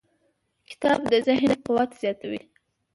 کتاب د ذهن قوت زیاتوي.